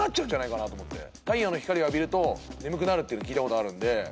太陽の光を浴びると眠くなるっていうの聞いたことあるんで。